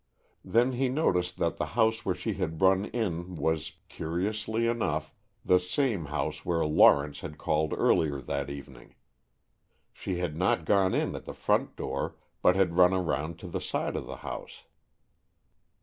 Then he noticed that the house where she had run in was, curiously enough, the same house where Lawrence had called earlier that evening. She had not gone in at the front door but had run around to the side of the house.